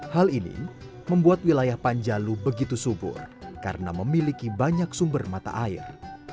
hal ini membuat wilayah panjalu begitu subur karena memiliki banyak sumber mata air